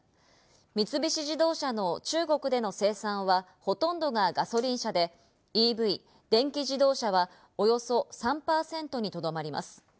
三菱自動車の中国での生産は、ほとんどがガソリン車で、ＥＶ＝電気自動車はおよそ３％にとどまります。